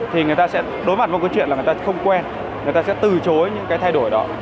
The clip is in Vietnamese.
thì người ta sẽ đối mặt với cái chuyện là người ta không quen người ta sẽ từ chối những cái thay đổi đó